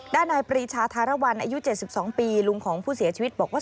นายปรีชาธารวรรณอายุ๗๒ปีลุงของผู้เสียชีวิตบอกว่า